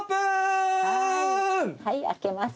はい開けます。